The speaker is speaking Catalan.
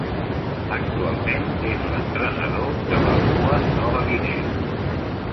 Actualment és l'entrenador de Papua Nova Guinea.